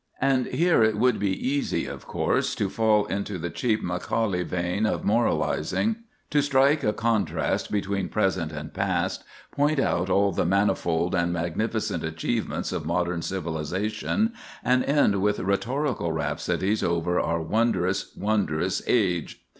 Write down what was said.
And here it would be easy, of course, to fall into the cheap Macaulay vein of moralizing; to strike a contrast between present and past, point out all the manifold and magnificent achievements of modern civilization, and end with rhetorical rhapsodies over our "wondrous, wondrous age."